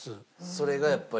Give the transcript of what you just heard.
それがやっぱり。